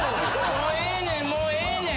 もうええねんもうええねん！